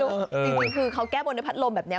จริงคือเขาแก้บนด้วยพัดลมแบบนี้